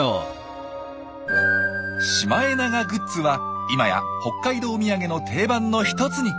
シマエナガグッズは今や北海道土産の定番の一つに。